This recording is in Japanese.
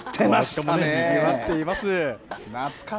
にぎわっています。